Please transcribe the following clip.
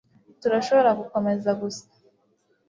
Turashobora gukomeza gusa